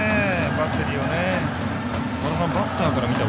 バッテリーを。